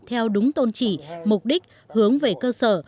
theo đúng tôn trị mục đích hướng về cơ sở